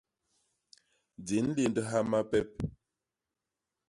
Di nléndha mapep.